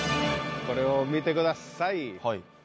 これを見てください。